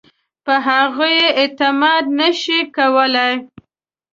په هغوی یې اعتماد نه شو کولای.